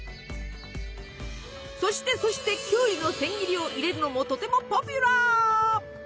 そしてそしてきゅうりの千切りを入れるのもとてもポピュラー！